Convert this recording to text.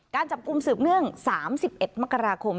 การจับกลุ่มสืบเนื่อง๓๑มกราคม